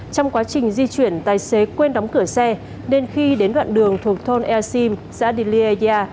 trong quá trình di chuyển tài xế quên đóng cửa xe nên khi đến đoạn đường thuộc thôn el sim xã diliyaya